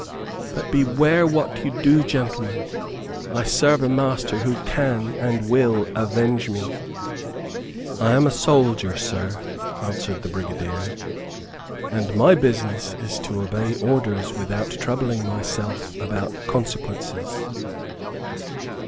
But beware what you do, gentlemen. I serve a master who can and will avenge me." "I am a soldier, Sir," answered the Brigadier, "and my business is to obey orders without troubling myself about consequences."